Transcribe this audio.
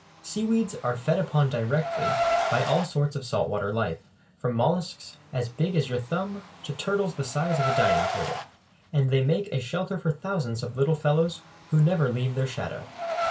Seaweeds are fed upon directly by all sorts of salt water life, from mollusks as big as your thumb to turtles the size of a dining table, and they make a shelter for thousands of little fellows who never leave their shadow.